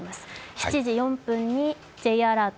７時４分にＪアラート